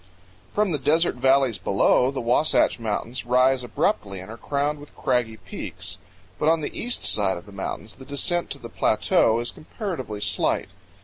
From the desert valleys below, the Wasatch Mountains rise abruptly and are crowned with craggy peaks. But on the east side of the mountains the descent to the plateau is comparatively slight.